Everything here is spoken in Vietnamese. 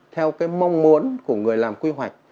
theo cái mong muốn của người làm quy hoạch